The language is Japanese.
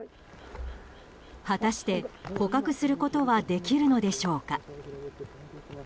果たして、捕獲することはできるのでしょうか。